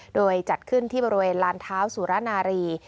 โดยจัดขึ้นที่บริเวณลานเท้าสุรนารี